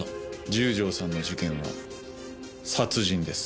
十条さんの事件は殺人です。